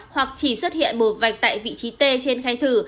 hoặc chỉ xuất hiện một vạch tại vị trí t trên khai thử